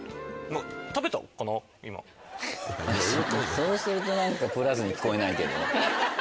そうするとなんかプラスに聞こえないけど。